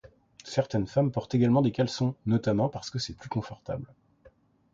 Certaines femmes portent également des caleçons notamment parce que c'est plus confortable.